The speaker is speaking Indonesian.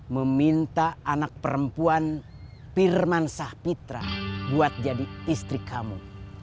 meminta anak perempuan pirmansah pitra buat jadi istri kamu